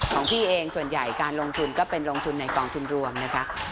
ของพี่เองส่วนใหญ่การลงทุนก็เป็นลงทุนในกองทุนรวมนะคะ